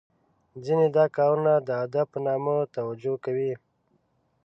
ځینې دا کارونه د ادب په نامه توجه کوي .